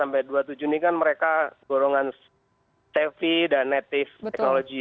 tapi ini kan mereka gurungan tevi dan native teknologi ya